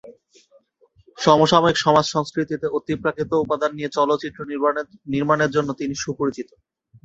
সমসাময়িক সমাজ সংস্কৃতিতে অতিপ্রাকৃত উপাদান নিয়ে চলচ্চিত্র নির্মাণের জন্য তিনি সুপরিচিত।